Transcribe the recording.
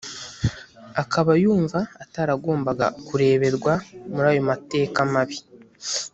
akaba yumva ataragombaga kureberwa muri ayo mateka mabi